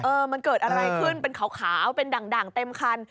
มันเกิดอะไรขึ้นเป็นขาวเป็นด่างเต็มคัน